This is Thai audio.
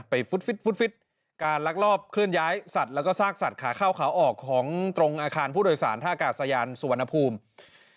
ฟุตฟิตการลักลอบเคลื่อนย้ายสัตว์แล้วก็ซากสัตว์ขาเข้าขาออกของตรงอาคารผู้โดยสารท่ากาศยานสุวรรณภูมิ